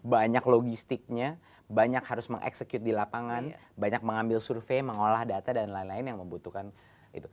banyak logistiknya banyak harus mengeksekut di lapangan banyak mengambil survei mengolah data dan lain lain yang membutuhkan itu